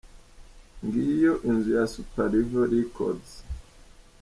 Ngiyo inzu ya Super Level Records.